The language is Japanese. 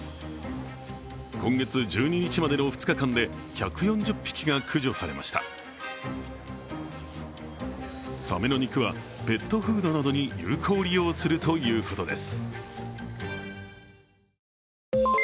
今月１２日までの２日間で１４０匹が駆除されましたサメの肉はペットフードなどに有効利用するということです。